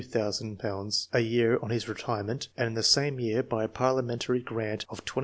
a year on his retirement, and in the same year by a parliamentary grant of 20,000?.